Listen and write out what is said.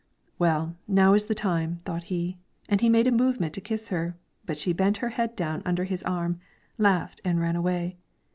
"Well, now is the time," thought he, and he made a movement to kiss her; but she bent her head down under his arm, laughed, and ran away.